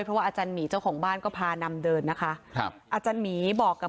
เพราะว่าอาจารย์หมีเจ้าของบ้านก็พานำเดินนะคะครับอาจารย์หมีบอกกับ